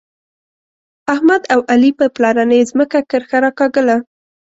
احمد او علي په پلارنۍ ځمکه کرښه راکاږله.